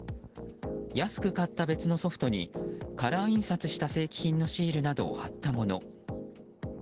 安く買った別のソフトにカラー印刷した正規品のシールなどを貼ったもの。